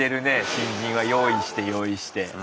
新人は用意して用意して。